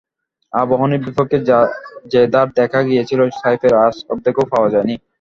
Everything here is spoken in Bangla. আবাহনীর বিপক্ষে যে ধার দেখা গিয়েছিল সাইফের, আজ অর্ধেকও পাওয়া যায়নি।